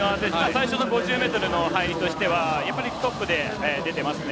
最初の５０ｍの入りはやっぱりトップで出ていますね。